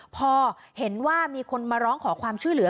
พอเห็นว่ามีคนมาร้องขอความช่วยเหลือ